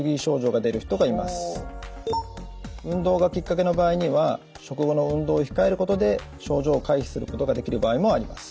運動がきっかけの場合には食後の運動を控えることで症状を回避することができる場合もあります。